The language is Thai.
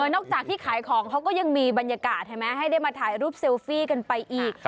จากที่ขายของเขาก็ยังมีบรรยากาศเห็นไหมให้ได้มาถ่ายรูปเซลฟี่กันไปอีก